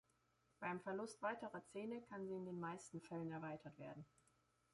Beim Verlust weiterer Zähne kann sie in den meisten Fällen erweitert werden.